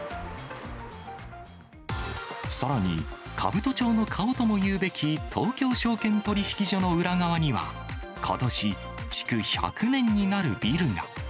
さらに、兜町の顔ともいうべき東京証券取引所の裏側には、ことし、築１００年になるビルが。